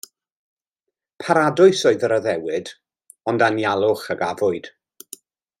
Paradwys oedd yr addewid, ond anialwch a gafwyd.